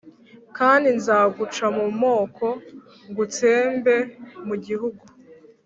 kandi nzaguca mu moko ngutsembe mugihugu